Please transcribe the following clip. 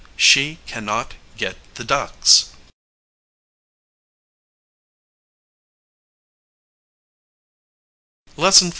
She can not get the ducks LESSON XIV.